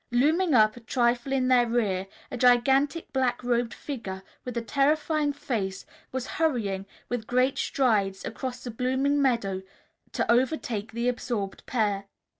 Looming up, a trifle in their rear, a gigantic black robed figure, with a terrifying face, was hurrying, with great strides, across the blossoming meadow to overtake the absorbed pair.